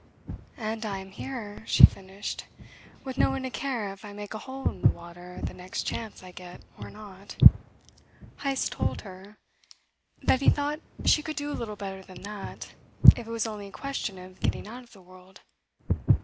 "And I am here," she finished, "with no one to care if I make a hole in the water the next chance I get or not." Heyst told her that he thought she could do a little better than that, if it was only a question of getting out of the world.